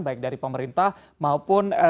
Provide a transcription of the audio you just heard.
baik dari pemerintah maupun